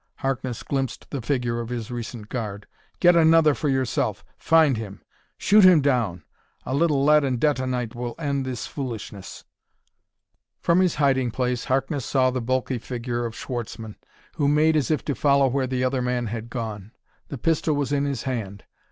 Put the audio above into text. Harkness glimpsed the figure of his recent guard. "Get another for yourself find him! shoot him down! A little lead and detonite will end this foolishness!" From his hiding place Harkness saw the bulky figure of Schwartzmann, who made as if to follow where the other man had gone. The pistol was in his hand.